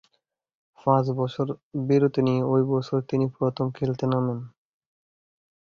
পাঁচ বছর বিরতি নিয়ে ঐ বছর তিনি প্রথম খেলতে নামেন।